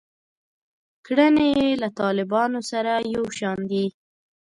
کړنې یې له طالبانو سره یو شان دي.